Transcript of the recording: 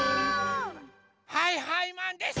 はいはいマンです！